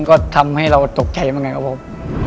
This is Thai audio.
ก็ทำให้เราตกใจเหมือนกันครับผม